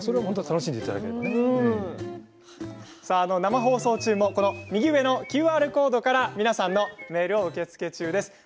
生放送中も右上のＱＲコードから皆さんのメールを受け付け中です。